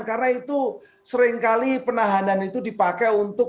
karena itu seringkali penahanan itu dipakai untuk